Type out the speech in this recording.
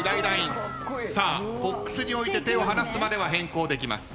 ボックスに置いて手を離すまでは変更できます。